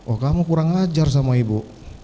oh kamu kurang ajar sama ibu